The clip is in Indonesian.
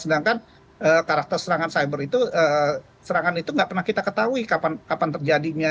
sedangkan karakter serangan cyber itu serangan itu nggak pernah kita ketahui kapan terjadinya